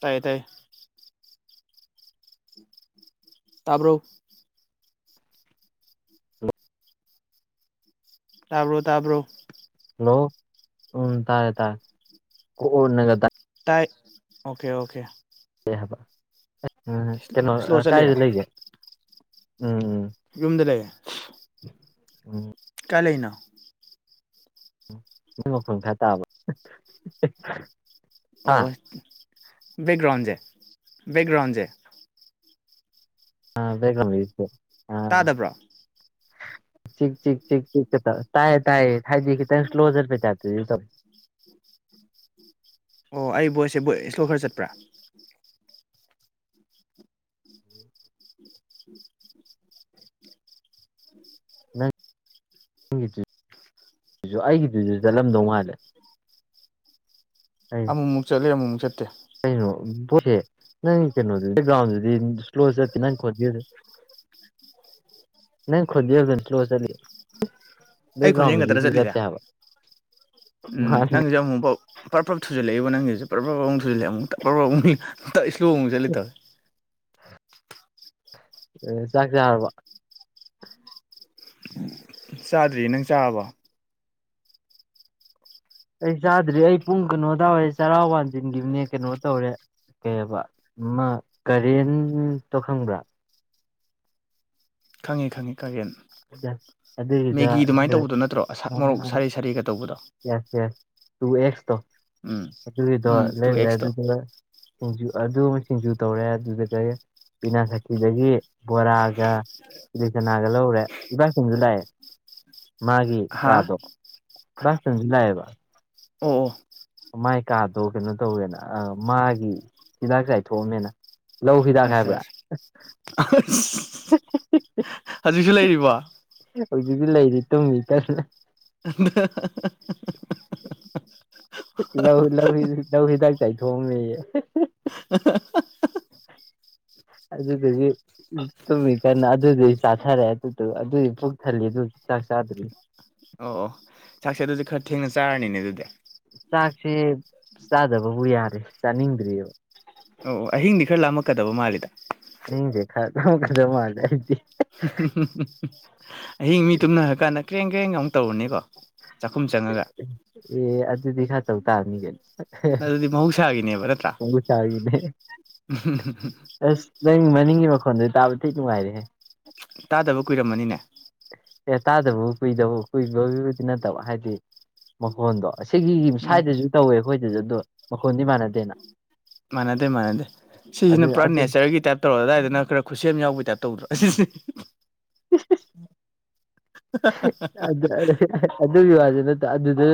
ꯇꯥꯏ ꯇꯥꯏ ꯇꯥꯔꯕꯣ ꯇꯥꯕ꯭ꯔꯣ ꯇꯥꯕ꯭ꯔꯣ ꯍꯜꯂꯣ ꯎꯝ ꯇꯥꯔꯦ ꯇꯔꯦ ꯅꯒ ꯇ ꯇꯥꯏ ꯑꯣꯀꯦ ꯑꯣꯀꯦ ꯑꯦ ꯍꯥꯏꯕ ꯎꯝ ꯀꯩꯅꯣ ꯁ꯭ꯂꯣ ꯆꯠꯂꯤꯔꯥ ꯀꯥꯏꯗ ꯂꯩꯒꯦ ꯎꯝ ꯎꯝ ꯌꯨꯝꯗ ꯂꯩꯦ ꯎꯝ ꯀꯥꯂꯅꯥ ꯅꯣꯏ ꯃꯈꯐꯝ ꯈꯔ ꯇꯥꯕ ꯑꯣ ꯍꯥ ꯕꯦꯛꯒ꯭ꯔꯥꯎꯟꯁꯦ ꯕꯦꯛꯒ꯭ꯔꯥꯎꯟꯁꯦ ꯑ ꯕꯦꯒ꯭ꯔꯝꯁꯦ ꯇꯥꯗꯕ꯭ꯔꯣ [unintelligible] ꯆꯤ ꯆꯤ ꯆꯤ ꯆꯤ ꯇꯥ ꯇꯥꯌꯦ ꯊꯥꯏꯗꯤꯈꯤꯇ ꯁ꯭ꯂꯣꯖꯔ ꯄ ꯆꯦ [unintelligible] ꯑꯣ ꯑꯩ ꯕꯣꯏꯁꯦ ꯕꯣꯏ ꯏꯁꯇꯣ ꯈꯔ ꯆꯠꯄ꯭ꯔꯥ ꯅꯪ ꯑꯩꯒꯤꯗꯨ ꯆꯠꯂꯝꯗꯧ ꯃꯥꯥꯜꯂꯦ [unintelligible] ꯑꯃꯨꯛꯃꯨꯛ ꯆꯠꯂꯦ ꯑꯃꯨꯛꯃꯨꯛ ꯆꯠꯇꯦ ꯀꯩꯅꯣ ꯄꯣꯠꯁꯦ ꯅꯪ ꯀꯩꯅꯣꯗꯨꯗꯤꯦꯛꯒ꯭ꯔꯥꯎꯟꯗꯨꯗꯤ ꯁ꯭ꯂꯣ ꯆꯠꯇꯦ ꯅꯪ ꯈꯣꯠꯇꯦ ꯅ ꯈꯣꯗꯤ ꯆ ꯑꯩ ꯈꯣꯟꯖꯦꯜ ꯈꯛꯇ꯭ꯔ ꯆꯠꯂꯤꯁꯦ ꯎꯝ ꯃꯥꯅꯤ ꯅꯪꯁꯨꯦ ꯑꯃꯨꯛ ꯄꯥꯎ ꯄꯔ ꯄꯂ ꯊꯨꯖꯜꯂꯛꯏꯕ ꯅꯪꯒꯤꯁꯦ ꯄꯔ ꯄꯐꯛ ꯑꯃꯨ ꯊꯨꯖꯜꯂꯛꯑꯦꯨꯛꯇꯛ ꯄꯔꯐꯞ ꯑꯃꯨꯛꯨꯛ ꯏꯁꯂꯣꯨꯛ ꯆꯂꯦ ꯇꯧꯦ ꯑꯦ ꯆꯥꯛ ꯆꯥꯔꯕ ꯆꯥꯗ꯭ꯔꯤꯌꯦ ꯅꯪ ꯆꯥꯕ ꯑꯩ ꯆꯥꯗ꯭ꯔꯤ ꯑꯩ ꯄꯨꯡ ꯀꯩꯅꯣ ꯇꯥꯔꯦ ꯆꯔꯥ ꯋꯥꯥꯟꯁꯤꯟꯈꯤꯕꯅꯦ ꯀꯩꯅꯣ ꯇꯧꯔꯦ ꯀꯩꯕ ꯀꯔꯦꯟ ꯇꯣ ꯈꯪꯕ꯭ꯔꯥ ꯈꯪꯉꯤ ꯈꯪꯉꯤ ꯀꯥꯔꯦꯟ ꯑꯗꯨꯒꯤꯗ ꯃꯦꯒꯤ ꯑꯗꯨꯃꯥꯏꯅ ꯇꯧꯕꯗꯣ ꯅꯠꯇ꯭ꯔꯣꯁ ꯃꯣꯔꯣꯛ ꯌꯦꯁ ꯁꯥꯔ ꯁꯥꯔꯒ ꯇꯧꯕꯗꯣ ꯌꯦꯁ ꯇꯨ ꯑꯦꯛꯁꯇꯣ ꯎꯝ ꯑꯗꯨꯒꯤꯗꯣ ꯎꯝ ꯇꯨ ꯂꯩꯔꯔꯦ ꯑꯦꯛꯁꯇꯣ ꯑꯗꯨꯗꯨ ꯁꯤꯡꯖꯨ ꯑꯗꯨ ꯑꯃ ꯁꯤꯡꯖꯨ ꯇꯧꯔꯦ ꯑꯗꯨꯗꯨꯒ ꯄꯕꯤꯅꯥ ꯁꯈꯤꯗꯒꯤ ꯕꯣꯔꯥꯒ ꯏꯗꯤ ꯆꯅꯒꯂ ꯎꯔꯦ ꯏꯕꯥꯛꯁꯪꯁꯨ ꯂꯥꯛꯑꯦ ꯃꯥꯒꯤ ꯍꯥ ꯀꯥꯗꯣ ꯏꯕꯥꯛꯁꯤꯡꯁꯨ ꯂꯥꯛꯑꯦꯕ ꯑꯣ ꯑꯣ ꯃꯥꯏ ꯀꯥꯗꯣ ꯀꯩꯅꯣ ꯇꯧꯋꯦꯅ ꯑ ꯃꯥꯒꯤ ꯍꯤꯗꯥꯛ ꯆꯥꯏꯊꯣꯛꯑꯝꯃꯦꯅ ꯂꯧ ꯍꯤꯗꯥꯛ ꯑ ꯍꯥꯏꯕ꯭ꯔꯥ ꯍꯧꯖꯤꯛꯁꯨ ꯂꯩꯔꯤꯕ ꯍꯧꯖꯤꯛꯗꯤ ꯂꯩꯔꯤ ꯇꯨꯝꯃꯤ ꯀꯟꯅ [unintelligible] ꯆꯩꯩꯊꯣꯑꯝꯃꯦ ꯑ ꯑꯗꯨꯗꯨꯗꯤ ꯇꯨꯝꯃꯤ ꯀꯟꯅ ꯑꯗꯨꯗꯗꯤ ꯆꯥꯊꯔꯦ ꯑꯗꯨꯗ ꯑꯗꯨꯗꯤ ꯄꯨꯣꯛꯊꯜꯂꯤ ꯑꯗꯨ ꯆꯁꯗ꯭ꯔꯤ ꯑꯣ ꯑꯣ ꯆꯥꯛꯁꯦ ꯑꯗꯨꯁꯨ ꯈꯔ ꯊꯦꯡꯅ ꯆꯥꯔꯅꯤꯅꯦ ꯑꯗꯨꯗꯤ ꯆꯥꯛꯁꯦ ꯆꯥꯗꯕꯕꯨ ꯌꯥꯔꯦ ꯆꯥꯅꯤꯡꯗ꯭ꯔꯤꯑꯕ ꯑꯣ ꯑꯣ ꯑꯍꯤꯡꯗꯤ ꯈꯔ ꯂꯥꯝꯂꯀꯗꯕ ꯃꯥꯜꯂꯤꯦꯗ ꯆꯥꯅꯤꯡꯗ꯭ꯔꯦ ꯈꯔ ꯀꯗ ꯃꯥꯥꯏꯦ ꯍꯡ ꯑꯃꯨ ꯇꯧꯔꯅꯦꯕ ꯑꯦ ꯑꯗꯨꯗꯤ ꯈ ꯇꯧ ꯇꯥꯔꯅꯤꯒꯅꯤ ꯑꯗꯨꯗꯤ ꯃꯍꯧꯁꯥꯒꯤꯅꯦꯕ ꯅꯠꯇ꯭ꯔꯥ ꯍꯕ ꯆꯥꯒꯤꯅꯦ ꯑꯁ ꯅꯪ ꯃꯅꯤꯡꯒꯤ ꯃꯈꯣꯟꯗ ꯇꯥꯕ ꯊꯤ ꯅꯨꯡꯉꯥꯏꯔꯦꯍꯦ ꯇꯥꯗꯕ ꯀꯨꯏꯔꯝꯃꯅꯤꯅꯦ ꯀ ꯇꯥꯗꯕꯕꯨ ꯀꯨꯏꯗꯕꯕꯨ ꯀꯨꯏꯕꯕꯨꯗꯤ ꯅꯠꯇꯕ ꯍꯥꯏꯗꯤ ꯃꯈꯣꯟꯗꯣ ꯑꯁꯤꯒꯤꯒꯤ ꯎꯝ ꯁ꯭ꯋꯥꯏꯗꯁꯨ ꯇꯧꯋꯦ ꯑꯩꯈꯣꯏꯗꯁꯨ ꯑꯗꯣ ꯃꯈꯣꯟꯗꯤ ꯃꯥꯟꯅꯗꯦꯅ ꯃꯅꯗꯦ ꯃꯅꯗꯦ ꯁꯤꯁꯤꯅ ꯑꯗꯨ ꯄꯨꯔꯥ ꯑꯗꯨ ꯅꯦꯆꯔꯒꯤ ꯇꯥꯏꯞ ꯇꯧꯔ ꯑꯗꯨꯗꯥꯏꯗꯅ ꯈꯔ ꯈꯨꯠꯁꯦꯝ ꯌꯥꯎꯕꯒꯤ ꯇꯥꯏꯞ ꯇꯧꯗ꯭ꯔꯣ ꯑꯁꯤꯁꯦ ꯑꯗꯨꯒꯤ ꯋꯥꯁꯦ ꯅꯠꯇꯦ ꯑꯗꯨꯗ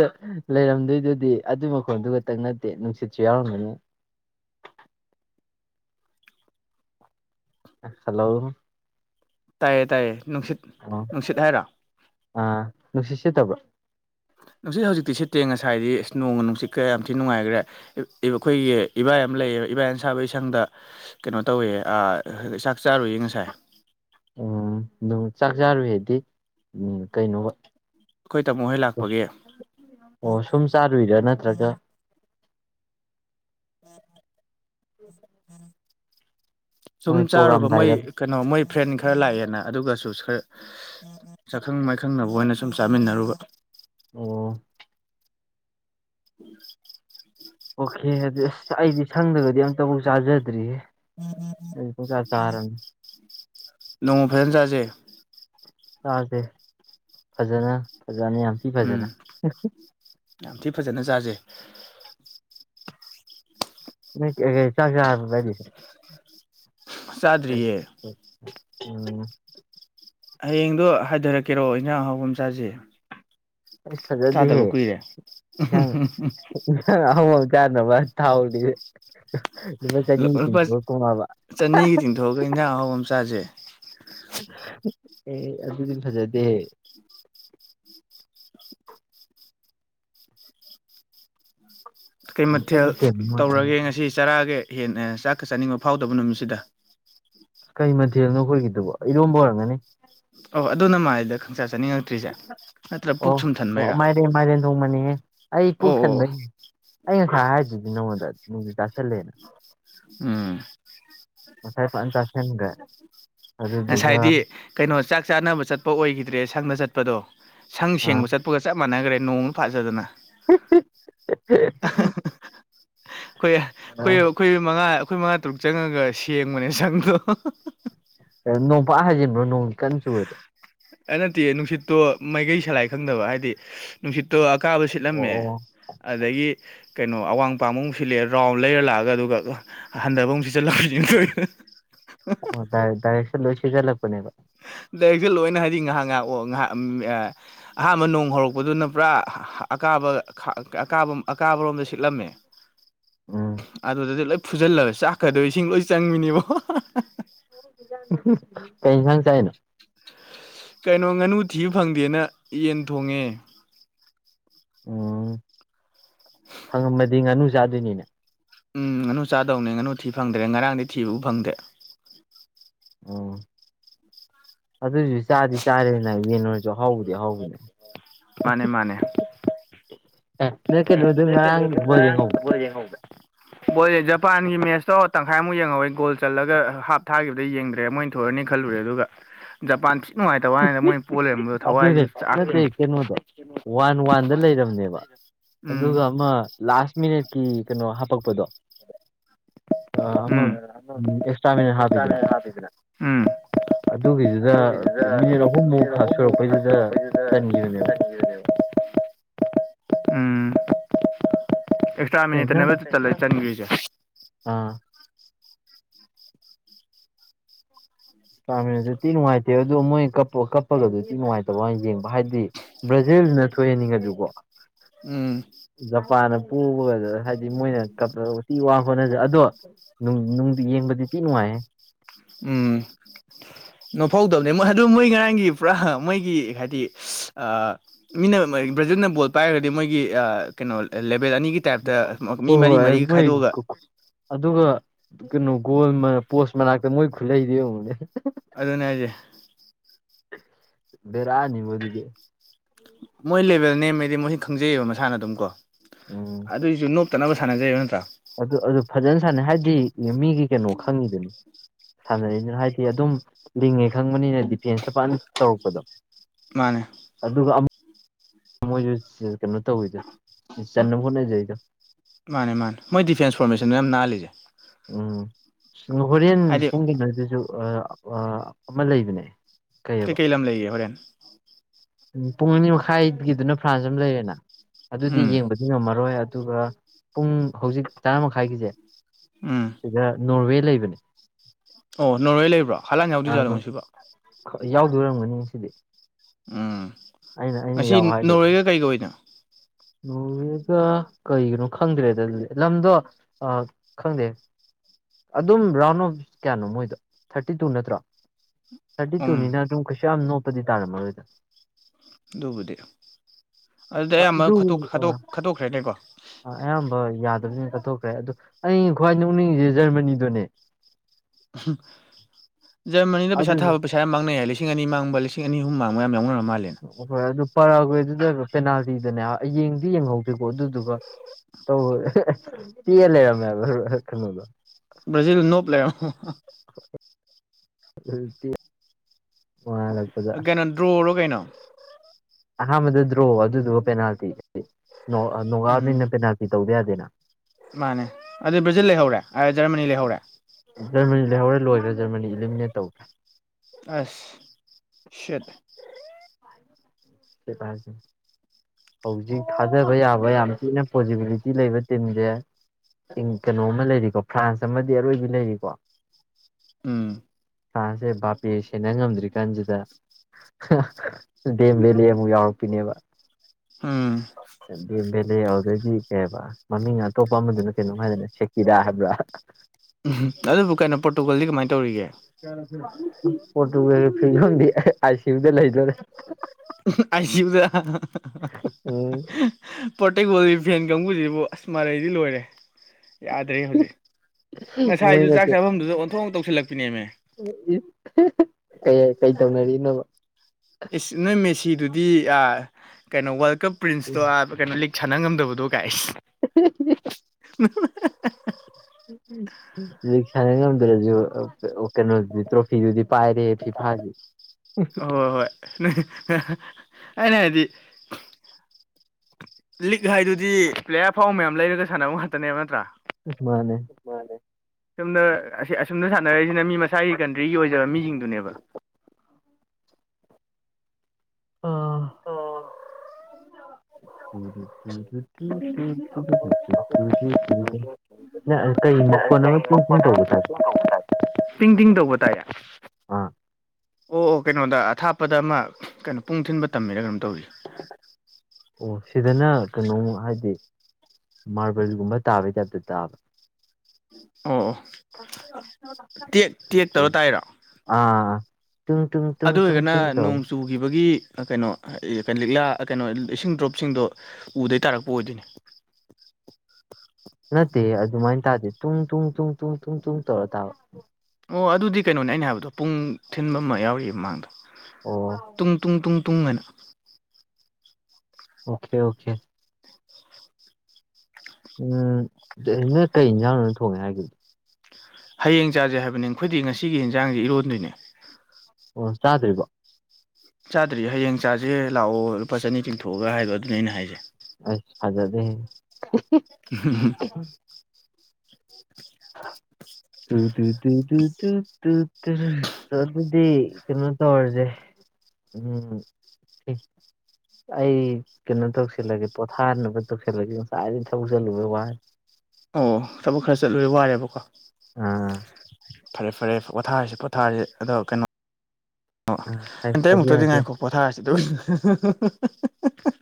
ꯂꯩꯔꯝꯗꯣꯏꯗꯨꯗꯤ ꯑꯗꯨ ꯃꯈꯣꯟꯗꯨ ꯈꯛꯇꯪ ꯅꯠꯇꯦ ꯅꯨꯡꯁꯤꯠꯁꯨ ꯌꯥꯎꯔꯝꯒꯅꯤ [unintelligible] ꯍꯜꯂꯣ ꯇꯥꯏꯌꯦ ꯇꯥꯏꯌꯦ ꯅꯨꯡꯁꯤꯠ ꯑꯣ ꯅꯨꯡꯁꯤꯠ ꯍꯥꯏꯔꯣ ꯑꯥ ꯅꯨꯡꯁꯤꯠꯁꯤ ꯇꯕ꯭ꯔ ꯅꯨꯡꯁꯤꯠ ꯍꯧꯖꯤꯛꯇꯤ ꯁꯤꯠꯇꯦ ꯉꯁꯥꯏꯗꯤ ꯏꯁ ꯅꯣꯡꯒ ꯅꯨꯡꯁꯤꯠꯀ ꯌꯥꯝ ꯊꯤꯅ ꯅꯨꯡꯉꯥꯏꯈ꯭ꯔꯦ ꯑꯩꯈꯣꯏꯒꯤ ꯏꯚ ꯏꯄꯥ ꯑꯃ ꯂꯩꯌꯦ ꯏꯕꯥꯏꯌꯥ ꯁꯥꯕ ꯏꯁꯪꯗ ꯀꯩꯅꯣ ꯇꯧꯋꯦ ꯆꯥꯛ ꯆꯥꯔꯨꯏꯌꯦ ꯉꯁꯥꯏ ꯎꯝ ꯑꯗꯨꯝ ꯆꯥꯛ ꯆꯥꯔꯨꯍꯦꯗꯤ ꯎꯝ ꯀꯩꯅꯣꯒ ꯑꯩꯈꯣꯏ ꯇꯥꯃꯣ ꯍꯣꯏ ꯑ ꯂꯥꯛꯄꯒꯤ ꯑꯣ ꯁꯨꯝ ꯆꯥꯔꯨꯏꯗꯔꯥ ꯅꯠꯇ꯭ꯔꯒ ꯎꯝ ꯁꯨꯝ ꯃꯣꯏ ꯄ꯭ꯔꯣꯒꯥꯝ ꯆꯥꯔꯨꯕ ꯃꯣꯏ ꯂꯩꯔ ꯀꯩꯅꯣ ꯃꯣꯏ ꯐ꯭ꯔꯦꯟ ꯈꯔ ꯂꯥꯛꯑꯦꯅ ꯑꯗꯨꯒꯁꯨ ꯈ ꯁꯛꯈꯪ ꯃꯥꯏꯈꯪꯅꯕ ꯑꯣꯏꯅ ꯁꯨꯝ ꯆꯥꯃꯤꯟꯅꯔꯨꯕ ꯑꯣ ꯎꯝ ꯑꯣꯀꯦ ꯑꯗꯨ ꯑꯁ ꯑꯩꯗꯤ ꯁꯪꯗꯒꯗꯤ ꯑꯝꯇ ꯆꯥꯖꯗ꯭ꯔꯤꯌꯦ ꯑꯩ ꯄꯨꯡꯆꯥ ꯆꯥꯔꯕꯅꯤ ꯅꯣꯡ ꯐꯅ ꯆꯥꯁꯦ ꯆꯥꯁꯦ ꯐꯖꯅ ꯐꯖꯅ ꯌꯥꯝ ꯄꯤ ꯐꯖꯅ ꯎꯝ ꯌꯥꯝ ꯊꯤ ꯐꯖꯅ ꯆꯥꯁꯦ ꯀ ꯆꯥꯛ ꯆꯔꯗꯁ ꯑ ꯆꯥꯗ꯭ꯔꯤꯌꯦ ꯎꯝ ꯍꯌꯦꯡꯗꯣ ꯍꯥꯏꯊꯔꯛꯀꯦꯔꯣꯑꯣ ꯑꯩꯅ ꯑꯍꯕꯝꯆꯥꯥꯁꯦ ꯑꯩꯁ ꯐꯖꯗꯦꯍꯦ ꯅꯪ ꯑꯍ ꯀꯅꯃ ꯊꯥꯎꯅꯤꯦ ꯑꯗꯨꯃ ꯆꯖꯤꯇ ꯂꯨꯄꯥ ꯊ ꯀꯣꯃꯕ ꯆꯅꯤꯒꯤ ꯇꯤꯡꯊꯣꯛꯑꯒ ꯏꯟꯖꯥꯡ ꯑꯍꯥꯎꯕ ꯑꯃ ꯆꯥꯁꯦ ꯑꯦ ꯑꯗꯨ ꯐꯖꯩꯗꯦ ꯀꯩ ꯃꯊꯦꯜ ꯑꯩ ꯀꯩꯅꯣ ꯇꯧꯔꯒꯦ ꯉꯁꯤ ꯆꯔꯥꯑꯒꯦ ꯍꯦꯟꯅ ꯆꯥꯛꯀ ꯆꯥꯅꯤꯡꯕ ꯐꯥꯎꯗꯕ ꯅꯨꯃꯤꯠꯁꯤꯗ ꯀꯩ ꯃꯊꯦꯜꯅꯣ ꯑꯩꯈꯣꯏꯒꯤꯗꯨꯕꯣ ꯏꯔꯣꯝꯕ ꯑꯣꯏꯔꯝꯒꯅꯤ ꯑꯣ ꯑꯗꯨꯅ ꯃꯥꯥꯏꯗ ꯈꯪꯆꯠꯦ ꯑꯣ ꯑꯣ ꯊꯟꯕꯩꯔꯥ ꯃꯥꯏꯔꯦꯟ ꯃꯥꯏꯔꯦꯟ ꯊꯣꯡꯕꯅꯤꯍꯦ ꯑꯩ ꯑꯣ ꯄꯨꯛ ꯑꯣ ꯑꯣ ꯊꯟꯕꯩꯅꯦ ꯑꯩ ꯉꯁꯥꯏ ꯍꯥꯏꯗꯗꯤ ꯅꯉꯣꯟꯗ ꯅꯅꯨꯡꯗꯤ ꯇꯥꯁꯜꯂꯦꯅ ꯎꯝ ꯉꯁꯥꯏ ꯄ ꯆꯥꯁꯦꯒ ꯉꯁꯥꯏꯗꯤ ꯀꯩꯅꯣ ꯆꯥꯛ ꯆꯥꯅꯕ ꯆꯠꯄ ꯑꯣꯏꯈꯤꯗ꯭ꯔꯦ ꯁꯪꯗ ꯆꯠꯄꯗꯣ ꯁꯪ ꯁꯦꯡꯕ ꯆꯠꯄꯒ ꯆꯞ ꯃꯥꯟꯅꯈ꯭ꯔꯦ ꯅꯣꯡꯅ ꯐꯥꯖꯗꯅ ꯍꯈꯣꯏ ꯑꯩꯈꯣꯏ ꯑꯩꯈꯣꯏ ꯃꯉꯥ ꯑꯩꯈꯣꯏ ꯃꯉꯥ ꯇꯔꯨꯛ ꯆꯪꯉꯒ ꯁꯦꯡꯕꯅꯦ ꯁꯪꯗꯣ ꯅꯣꯡꯄꯥꯛ ꯍꯥꯏꯖꯤꯟꯕ꯭ꯔꯣ ꯅꯣꯡꯗꯤ ꯀꯟꯅ ꯆꯨꯔꯗꯤ ꯅꯠꯇꯦ ꯅꯨꯡꯁꯤꯠꯇꯣ ꯃꯥꯏꯀꯩ ꯁꯂꯥꯏ ꯈꯪꯗꯕ ꯍꯥꯏꯗꯤ ꯅꯨꯡꯁꯤꯠꯇꯣ ꯀꯥꯕ ꯑꯣ ꯁꯤꯠꯂꯝꯃꯦ ꯑꯣ ꯑꯗꯒꯤ ꯀꯩꯅꯣ ꯑꯋꯥꯡ ꯄꯄꯥꯝꯕꯨꯛ ꯁꯤꯠꯂꯑꯦ ꯔꯥꯎꯟ ꯂꯩꯔ ꯂꯥꯛꯑꯒ ꯑꯗꯨꯒ ꯍꯟꯊꯕ ꯑꯃ ꯁꯤ ꯆꯂ ꯂꯣꯏꯁꯤ ꯆꯂꯄꯅꯦꯕ ꯂꯥꯏꯔꯤꯛꯁꯨ ꯂꯣꯏꯅ ꯍꯥꯏꯗꯤ ꯉꯥꯏꯍꯥꯛ ꯉꯥꯏꯍꯥꯛ ꯉꯥꯏꯍꯥꯛ ꯑꯍꯥꯟꯕ ꯅꯣꯡ ꯍꯧꯔꯛꯄꯗꯨꯅ ꯄꯨꯔꯥ ꯥ ꯑꯀꯥꯕꯔꯣꯝꯗ ꯁꯤꯠꯂꯝꯃꯦ [inaudible] ꯑꯗꯨꯗꯗꯤ ꯂꯣꯏ ꯐꯨꯖꯜꯂꯕ ꯆꯥꯛꯀꯗꯣꯏ ꯏꯁꯤꯡ ꯂꯣꯏ ꯆꯪꯃꯤꯅꯦꯕ ꯀꯩ ꯏꯟꯁꯥꯡ ꯆꯥꯏꯅ ꯀꯩꯅꯣ ꯉꯥꯅꯨ ꯊꯤꯕ ꯐꯪꯗꯦꯅ ꯌꯦꯟ ꯊꯣꯡꯉꯦ ꯎꯝ ꯍꯪꯉꯝꯃꯗꯤ ꯉꯥꯅꯨ ꯆꯥꯗꯣꯏꯅꯤꯅꯦ ꯎꯝ ꯉꯥꯅꯨ ꯆꯥꯗꯧꯅꯤ ꯉꯥꯅꯨ ꯊꯤ ꯐꯪꯗ꯭ꯔꯦ ꯉꯔꯥꯡꯗꯤ ꯊꯤꯕꯕꯨ ꯐꯪꯗ꯭ꯔꯦ ꯑꯣ ꯑꯗꯨꯁꯨ ꯆꯥꯗꯤ ꯆꯥꯔꯦꯅ ꯌꯦꯟ ꯑꯣꯏꯔꯁꯨ ꯑꯍꯥꯎꯕꯗꯤ ꯑꯍꯥꯎꯕꯅꯦ ꯃꯥꯅꯦ ꯃꯥꯅꯦ ꯑꯦ ꯅꯪ ꯀꯩꯅꯣꯗꯣ ꯉꯔꯥꯡ ꯕꯣꯜ ꯌꯦꯡꯍꯧꯕ꯭ꯔꯥ ꯦ ꯍꯣꯦ ꯖꯄꯥꯟꯒꯤ ꯃꯦꯁ ꯆꯣ ꯇꯪꯈꯥꯏꯃꯨꯛ ꯌꯦꯡꯍꯧꯋꯦ ꯒꯣꯜ ꯆꯜꯂꯒ ꯍꯥꯞ ꯊꯥꯈꯤꯕꯗ ꯌꯦꯡꯗ꯭ꯔꯦ ꯃꯣꯏꯅ ꯊꯑꯅꯤ ꯈꯜꯂꯨꯔꯦ ꯑꯗꯨꯒ ꯖꯄꯥꯟ ꯊꯈꯤ ꯅꯨꯡꯉꯥꯏꯇꯕ ꯋꯥꯗ ꯃꯣꯏ ꯄꯣ ꯂꯩꯔꯝꯕꯗꯣ ꯑꯗꯨꯅꯦ ꯊꯋꯥꯏꯁꯦ ꯅꯠꯇꯦ ꯆꯥꯛꯄꯅꯦ ꯀꯩꯅꯣꯗꯣ ꯋꯥꯟ ꯋꯥꯟꯗ ꯂꯩꯔꯕꯅꯦꯕ ꯎꯝ ꯑꯗꯨꯒ ꯑꯃ ꯂꯥꯁ ꯃꯤꯅꯤꯠꯀꯤ ꯀꯩꯅꯣ ꯍꯥꯄꯛ [unintelligible] ꯑꯃ ꯎꯝ ꯑꯦꯛꯁꯇ꯭ꯔꯥꯃꯤꯅ ꯍꯥꯞꯄꯤꯗꯅ ꯑꯦꯛꯁꯇ꯭ꯔꯥ ꯍꯥꯞꯄꯤꯗꯅ ꯎꯝ ꯑꯗꯨꯒꯤꯗꯨꯗ ꯑꯗꯨꯒꯤꯗꯨꯗ ꯃꯤꯅꯤꯠ ꯑꯍꯨꯝꯃꯨꯛ ꯃꯤꯅꯤꯠ ꯑꯍꯨꯝꯃꯨꯛ ꯁꯨꯔꯛꯄꯩꯗꯨꯗ ꯁꯨꯔꯛꯄꯩꯗꯨꯗ ꯆꯟꯈꯤꯕꯅꯦꯕ ꯆꯟꯈꯤꯕꯅꯦꯕ ꯎꯝ ꯑꯦꯛꯁꯇ꯭ꯔꯥ ꯃꯤꯅꯤꯠꯇꯅꯦ ꯅꯪ ꯆ ꯆꯪꯒꯔꯤꯁꯦ ꯑꯥ ꯆꯥꯃꯤꯁꯨ ꯇꯤ ꯅꯨꯡꯉꯥꯏꯇꯦ ꯑꯗꯣ ꯃꯣꯏꯅ ꯀ ꯀꯞꯄꯒꯗꯨ ꯇꯤ ꯅꯨꯡꯉꯥꯏꯇꯕꯅ ꯌꯦꯡꯕ ꯍꯥꯏꯗꯤ ꯕ꯭ꯔꯖꯤꯜ ꯅ ꯊꯣꯛꯣꯏꯍꯟꯅꯤꯡꯉꯁꯨꯀꯣ ꯎꯝ ꯖꯄꯥꯟꯅ ꯄꯨꯕꯒ ꯍꯥꯏ ꯑꯗꯨ ꯃꯣꯏꯅ ꯀꯇꯤ ꯋꯥ ꯍꯣꯠꯅꯖꯩ ꯑꯗꯣ ꯅꯨꯡꯗꯤ ꯌꯦꯡꯕꯗꯤ ꯇꯤ ꯅꯨꯡꯉꯥꯏꯌꯦ ꯎꯝ ꯅꯣꯛꯐꯧꯗꯕꯅꯦ ꯃꯣꯏ ꯑꯗꯨ ꯃꯣꯏ ꯉꯔꯥꯡꯒꯤ ꯄꯨꯔꯥ ꯃꯣꯏꯒꯤ ꯍꯥꯏꯗꯤ ꯃꯤꯅ ꯦꯖ ꯑꯩꯅ ꯕꯣꯜ ꯄꯥꯏꯔꯒꯗꯤ ꯃꯣꯏꯒꯤ ꯀꯩꯅꯣꯦ ꯕꯦꯜ ꯑꯅꯤꯒꯤ ꯇꯥꯏꯞꯇ ꯃꯤ ꯍꯣꯏ ꯃꯔꯤ ꯍꯣꯏ ꯃꯔꯤꯒ ꯃꯣꯏ ꯈꯥꯏꯗꯣꯛꯑꯒ ꯑꯗꯨꯒ ꯀꯩꯅꯣ ꯒꯣꯜ ꯄꯣꯁ ꯃꯅꯥꯛꯇ ꯃꯣꯏ ꯈꯨꯠꯂꯛꯏꯗꯤ ꯌꯦꯡꯨꯛꯅꯦ ꯑꯗꯨꯅꯦ ꯍꯥꯏꯁꯦ ꯕꯔꯅꯤ ꯃꯗꯤꯒ ꯃꯣꯏ ꯂꯦꯕꯦꯜ ꯅꯦꯝ ꯍꯥꯏꯗꯤ ꯃꯣꯏꯁꯤ ꯈꯪꯖꯩꯌꯦꯕ ꯃꯁꯥꯅ ꯑꯗꯨꯝ ꯀꯣ ꯎꯝ ꯑꯗꯨꯏꯁꯨ ꯅ ꯇꯠꯅꯕ ꯁꯥꯟꯅꯖꯔꯤꯕꯕ ꯅꯠꯇ꯭ꯔꯥ ꯁꯥꯅꯦ ꯍꯥꯏꯗꯤ ꯃꯤꯒꯤ ꯀꯩꯅꯣ ꯈꯪꯉꯤꯗꯅꯤ ꯁꯥꯟꯅꯔꯤꯅ ꯍꯥꯏꯗꯤ ꯑꯗꯨꯝ ꯂꯤꯡꯉꯦ ꯈꯪꯕꯅꯤꯅ ꯗꯤꯐꯦꯟꯁꯇ ꯐꯅ ꯇꯧꯔꯛꯄꯗꯣ ꯃꯥꯅꯦ ꯑꯗꯨꯒ ꯃꯣꯏꯁꯨ ꯀꯩꯅꯣ ꯇꯧꯋꯤꯗ ꯆꯟꯅꯕ ꯍꯣꯠꯅꯖꯩꯗ ꯃꯥꯅꯦ ꯃꯥꯅꯦ ꯃꯣꯏ ꯗꯤꯐꯦꯟꯁ ꯐꯣꯔꯃꯦꯁꯟ ꯌꯥꯝ ꯅꯥꯜꯂꯤꯁꯦ ꯎꯝ ꯍꯣꯔꯦꯟ ꯍꯥꯏꯗꯤ ꯁꯣꯡꯒ ꯑꯗꯨꯁꯨ ꯑꯃ ꯂꯩꯕꯅꯦ ꯀꯩꯑꯕ ꯀꯩꯀꯩ ꯂꯝ ꯂꯩꯌꯦꯦ ꯍꯣꯔꯦꯟ ꯎꯝ ꯄꯨꯡ ꯑꯅꯤ ꯃꯈꯥꯏꯒꯤꯗꯨꯅ ꯐ꯭ꯔꯥꯟꯁ ꯑꯃ ꯂꯩꯔꯦꯅ ꯑꯗꯨꯗꯤ ꯎꯝ ꯌꯦꯡꯕꯗꯤ ꯉꯝꯃꯔꯣꯏ ꯑꯗꯨꯒ ꯄꯨꯡ ꯍꯧꯖꯤꯛ ꯇꯔꯥꯃꯥꯏꯒꯤꯁꯦ ꯎꯝ ꯁꯤꯗ ꯅꯣꯔꯋꯦ ꯂꯩꯕꯅꯦ ꯑꯣ ꯅꯔꯣꯏ ꯂꯩꯕ꯭ꯔꯣ ꯍꯂꯥꯟꯅ ꯌꯥꯎꯗꯣꯏꯖꯥꯠꯂꯣꯅꯦ ꯁꯤꯕ ꯌꯥꯎꯗꯣꯏꯔꯝꯒꯅꯤ ꯁꯤꯗꯤ ꯎꯝ ꯉꯁꯤ ꯅꯣꯔꯣꯏꯦꯒ ꯀꯩꯒꯅꯣ ꯅꯣꯏꯦꯒ ꯀꯩꯒꯤꯅꯣ ꯈꯪꯗ꯭ꯔꯦꯗꯗꯤ ꯂꯝꯗꯣ ꯈꯪꯗꯦ ꯑꯗꯨꯝ ꯔꯥꯎꯟ ꯑꯣꯐ ꯀꯌꯥꯅꯣ ꯃꯣꯏꯗ ꯊꯥꯔꯇꯤ ꯇꯨ ꯅꯠꯇ꯭ꯔꯥ ꯊꯥꯔꯇꯤ ꯎꯝ ꯇꯨꯅꯤꯅ ꯑꯗꯨꯝ ꯀꯩꯁꯨ ꯌꯥꯝ ꯅꯣꯞꯄꯗꯤ ꯇꯥꯔꯝꯃꯔꯣꯏꯗ ꯑꯗꯨꯕꯨꯗꯤ ꯑꯗꯨꯗꯤ ꯑꯌꯥꯝꯕ ꯑꯗꯨ ꯈꯠꯇꯣꯛꯈ꯭ꯔꯦꯅꯦꯀꯣ ꯑꯌꯥꯝꯕ ꯌꯥꯗꯕꯅꯤꯅ ꯀꯠꯊꯣꯛꯈ꯭ꯔꯦ ꯑꯗꯨ ꯑꯩꯅ ꯈ꯭ꯋꯥꯏ ꯅꯣꯛꯅꯤꯡꯉꯁꯦ ꯖꯔꯃꯅꯤꯗꯨꯅꯦ ꯖꯔꯃꯅꯤꯅ ꯄꯩꯁꯥ ꯑꯗꯨ ꯊꯥꯕ ꯄꯩꯁꯥ ꯌꯥꯝ ꯃꯥꯡꯅꯩ ꯌꯥꯏ ꯂꯤꯁꯤꯡ ꯑꯅꯤ ꯃꯥꯡꯕ ꯂꯤꯁꯤꯡ ꯑꯅꯤ ꯑꯍꯨꯝ ꯃꯥꯡꯕ ꯃꯌꯥꯝ ꯌꯥꯅ ꯍꯣꯏ ꯑꯗꯨ ꯄꯥꯔꯛꯑꯈꯦ ꯑꯗꯨꯗ ꯄꯦꯅꯥꯜꯇꯤꯗꯅꯦ ꯑꯩ ꯌꯦꯡꯗꯤ ꯌꯦꯡꯍꯧꯗꯦꯀꯣ ꯑꯗꯨꯗꯨꯒ ꯇ ꯄꯤ ꯂꯩꯦ ꯃꯕꯔꯅꯗ ꯭ꯔꯥꯖꯤꯜ ꯅꯣ ꯄ꯭ꯂꯦꯌꯔ ꯔꯇ ꯀꯩꯅꯣ ꯗ꯭ꯔꯣꯔꯣꯔꯣ ꯀꯩꯅꯣ ꯑꯍꯥꯟꯕꯗ ꯗ꯭ꯔꯣ ꯑꯗꯨꯗꯨꯒ ꯄꯦꯅꯥꯜꯇꯤ ꯎꯝ ꯅꯣꯡꯉꯅꯤꯅ ꯄꯦꯅꯥꯜꯇꯤ ꯇꯧꯗ ꯌꯥꯗꯦꯅ ꯃꯥꯅꯦ ꯑꯗꯨ ꯕ꯭ꯔꯥꯖꯤꯜ ꯂꯩꯍꯧꯔꯦ ꯖꯔꯃꯅꯤ ꯂꯩꯍꯧꯔꯦ ꯖꯔꯃꯅꯤ ꯂꯩꯍꯧꯔ ꯂꯣꯏꯈ꯭ꯔꯦ ꯖꯔꯃꯅꯤ ꯏꯂꯤꯃꯤꯅꯦꯠ ꯇꯧꯈ꯭ꯔꯦ ꯑꯁꯠ ꯀꯥꯁꯦ ꯍꯧꯖꯤꯛ ꯊꯥꯖꯕ ꯌꯥꯕ ꯌꯥꯝ ꯊꯤꯅ ꯄꯣꯖꯤꯕꯤꯂꯤꯇꯤ ꯂꯩꯕ ꯇꯤꯤꯟꯁꯦ ꯀꯩꯅꯣꯝ ꯂꯩꯔꯤꯀꯣ ꯐ꯭ꯔꯥꯟꯁ ꯑꯃꯗꯤ ꯑꯔꯣꯏꯕꯤ ꯂꯩꯔꯤꯀꯣ ꯎꯝ ꯁꯥꯁꯦ ꯕꯥꯄꯦ ꯁꯦꯟꯅ ꯉꯝꯗ꯭ꯔꯤꯀꯥꯟꯁꯤꯗ ꯗꯦꯝ ꯑꯃꯨꯛ ꯌꯥꯎꯔꯛꯄꯤꯅꯦꯕ ꯎꯝ ꯑ ꯑꯗꯨꯗꯩꯗꯤ ꯀꯩ ꯍꯥꯏꯕ ꯃꯃꯤꯡ ꯑꯇꯣꯞꯄ ꯑꯃꯗꯨꯅ ꯀꯩꯅꯣꯝꯉꯥꯏꯗꯅ ꯁꯦꯀꯤꯔꯥ ꯍꯥꯏꯕ꯭ꯔꯥ ꯎꯝ ꯑꯗꯨꯕꯨ ꯀꯩꯅꯣ ꯄꯣꯔꯇꯨꯒꯜꯗꯤ ꯀꯃꯥꯏꯅ ꯇꯧꯔꯤꯒꯦ ꯐꯣꯇꯒ꯭ꯔ ꯐꯤ ꯍ ꯑꯥꯏ ꯁꯤꯌꯨꯗ ꯂꯩ ꯂꯔ ꯑꯁꯤꯕꯨꯗ ꯎꯝ ꯄꯣꯔꯇꯦꯒꯣꯜꯒꯤ ꯚꯦꯟ ꯀꯥꯡꯕꯨꯁꯤꯕꯨ ꯑꯁ ꯃꯥꯜꯂꯩꯗꯤ ꯂꯣꯏꯔꯦ ꯌꯥꯗ꯭ꯔꯦ ꯍꯧꯖꯤꯛ ꯉꯁꯥꯏꯁꯨ ꯆꯥꯛ ꯆꯥꯐꯝꯗꯨꯁꯨ ꯑꯣꯟꯊꯣꯛ ꯑꯣ ꯇꯧꯁꯤꯜꯂꯛꯄ ꯀ ꯀꯩ ꯇꯧꯅꯔꯤꯅꯣꯕ ꯑꯦꯁ ꯅꯣꯏ ꯃꯦꯁꯤꯗꯨꯗꯤ ꯀꯩꯅꯣ ꯋꯥꯔꯜ ꯀꯞ ꯄ꯭ꯔꯤꯟꯁꯇꯣ ꯀꯩꯅꯣ ꯁꯥꯟꯅ ꯉꯝꯗꯕꯗꯣ ꯀꯥꯏ [inaudible] [inaudible] ꯂꯤ ꯁꯥꯟꯅ ꯉꯝꯗꯔꯁꯨ ꯀꯩꯅꯣꯗꯤ ꯇ꯭ꯔꯣꯐꯤꯗꯨꯗꯤ ꯄꯥꯏꯔꯦ ꯐꯤꯐꯒꯤ ꯍꯣꯏ ꯍꯣꯏ ꯑꯩꯅ ꯍꯥꯏꯗꯤ ꯂꯤꯛ ꯍꯥꯏꯗꯨꯗꯤ ꯄ꯭ꯂꯦꯌꯥꯔ ꯐꯥꯎꯕ ꯃꯌꯥꯝ ꯂꯩꯔꯒ ꯁꯥꯟꯅꯕ ꯉꯥꯛꯇꯅꯦꯕ ꯅꯠꯇ꯭ꯔꯥ ꯃꯥꯅꯦ ꯑꯁꯨꯝꯅ ꯑꯁꯨꯝꯅ ꯁꯥꯟꯅꯔꯔꯤꯁꯤꯅ ꯃꯤ ꯃꯁꯥꯒꯤ ꯀꯟꯇ꯭ꯔꯤꯒꯤ ꯑꯣꯏꯖꯕ ꯃꯤꯁꯤꯡꯗꯨꯅꯦꯕ ꯑ ꯇ ꯇ ꯇ ꯇ ꯇ ꯅ ꯀꯩ ꯃꯈꯣꯟ ꯑꯃ ꯄꯤꯡ ꯇꯧꯕ ꯇꯥꯔꯦ ꯄꯤꯡ ꯇꯤꯡ ꯇꯧꯕ ꯇꯥꯏ ꯑꯥ ꯑꯣ ꯑꯣ ꯀꯩꯅꯣ ꯑꯊꯥꯞꯄꯗ ꯑꯃ ꯀꯩꯅꯣ ꯄꯨꯡ ꯊꯤꯟꯕ ꯇꯝꯃꯤꯔ ꯀꯩꯅꯣ ꯇꯧꯔꯤ ꯑꯣ ꯁꯤꯗꯅ ꯀꯩꯅꯣꯝ ꯍꯥꯏꯗꯤ ꯃꯥꯔꯕꯜꯒꯨꯝꯕ ꯇꯥꯕꯩ ꯇꯥꯏꯞꯇ ꯇꯥꯕ ꯑꯣ ꯑꯣ ꯇꯦꯛ ꯇꯦꯛ ꯇꯧꯔ ꯇꯥꯏꯔꯣ ꯑꯥ ꯇꯨꯡ ꯇꯨꯡ ꯑꯗꯨ ꯇꯨꯡ ꯇꯨꯡ ꯑꯣꯏꯔꯒꯅ ꯇꯨꯡ ꯇꯧ ꯅꯣꯡ ꯆꯨꯈꯤꯕꯒꯤ ꯀꯩꯅꯣ ꯂꯤꯛꯂꯥ ꯀꯩꯅꯣ ꯏꯁꯤꯡ ꯗ꯭ꯔꯣꯞꯁꯤꯡꯗꯣ ꯎꯗꯩ ꯇꯥꯔꯛꯄ ꯑꯣꯏꯗꯣꯏꯅꯤ ꯅꯠꯇꯦ ꯑꯗꯨꯃꯥꯏꯅ ꯇꯥꯗꯦ ꯇꯨꯡ ꯊꯨꯡ ꯊꯨꯡ ꯇꯨꯡ ꯇꯨꯡ ꯇꯨꯡ ꯇꯧꯔ ꯇꯥ ꯑꯣ ꯑꯗꯨꯗꯤ ꯀꯩꯅꯣꯅꯦ ꯑꯩꯅ ꯍꯥꯏꯕꯗꯣ ꯄꯨꯡ ꯊꯤꯟꯕ ꯑꯃ ꯌꯥꯎꯔꯤꯌꯦ ꯃꯃꯥꯡꯗ ꯑꯣ ꯇꯨꯡ ꯇꯨꯡ ꯇꯨꯡ ꯇꯨꯡꯉꯅ ꯑꯣꯀꯦ ꯑꯣꯀꯦ ꯎꯝ ꯅ ꯀꯩ ꯏꯟꯁꯥꯡꯅꯅ ꯊꯣꯡꯉꯦ ꯍꯥꯏꯈꯤꯕꯗꯨ ꯍꯌꯦꯡ ꯆꯥꯥꯁꯦ ꯍꯥꯏꯕꯅꯤ ꯑꯩꯈꯣꯏꯗꯤ ꯉꯁꯤꯒꯤ ꯌꯦꯟꯁꯥꯡꯁꯤꯦ ꯏꯔꯣꯟꯗꯣꯏꯅꯦ ꯑꯣ ꯆꯥꯗ꯭ꯔꯤꯕꯣ ꯆꯥꯗ꯭ꯔꯤ ꯍꯌꯦꯡ ꯆꯥꯁꯦ ꯂꯥꯛꯑꯣ ꯂꯨꯄꯥ ꯆꯅꯤ ꯇꯤꯡꯊꯣꯛꯑꯒ ꯍꯥꯏꯕꯗꯣ ꯑꯗꯨꯅꯤ ꯑꯩꯅ ꯍꯥꯏꯁꯦ ꯑꯖꯗꯦꯦ ꯎꯝ ꯇ ꯇ ꯇ ꯇ ꯇ ꯆ ꯑꯗꯨꯗꯤ ꯀꯩꯅꯣ ꯇꯧꯔꯖꯦ ꯎꯝ ꯑꯩ ꯀꯩꯅꯣ ꯇꯧꯁꯤꯜꯂꯒꯦ ꯄꯣꯊꯥꯅꯕ ꯇꯧꯁꯤꯜꯂꯒꯦ ꯉꯁꯥꯏꯗꯒꯤ ꯊꯧꯁꯤꯜꯂꯨꯕꯒꯤ ꯋꯥꯅꯤ ꯑꯣ ꯊꯕꯛ ꯈꯔ ꯆꯠꯂꯨꯔꯦ ꯋꯥꯔꯦꯕꯀꯣ ꯑꯥ ꯐꯔꯦ ꯐꯔꯦ ꯄꯣꯊꯥꯔꯤꯁꯤ ꯄꯣꯊꯥꯔꯤꯁꯤ ꯑꯗꯣ ꯀꯩꯅꯣ ꯑꯣ ꯑꯥ ꯑꯟꯇꯩ ꯍꯥꯏꯕꯤꯌꯨ ꯑꯃꯨꯛꯇꯗꯤ ꯍꯥꯏꯕꯤꯌꯨ ꯉꯥꯏꯈꯣ ꯄꯣꯊꯥꯔꯁꯤ ꯑꯗꯨ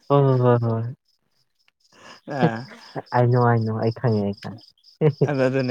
ꯍ ꯍ ꯍ ꯍꯣꯏ ꯑꯩꯩꯅꯣ ꯍꯥꯏꯅꯣ ꯑꯩ ꯈꯪꯉꯦ ꯑꯩ ꯈꯪꯉꯦ ꯑꯗꯨ ꯑꯗꯨꯅꯦ